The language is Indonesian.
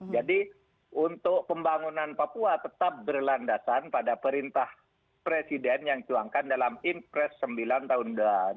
jadi untuk pembangunan papua tetap berlandasan pada perintah presiden yang dijuangkan dalam impress sembilan tahun dua ribu dua puluh